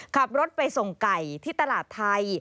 ขับรถไปส่งไก่ที่ตลาดไทย